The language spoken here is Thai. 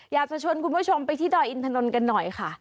อยากจะชวนคุณผู้ชมไปที่ดอยอินทนนท์กันหน่อยค่ะ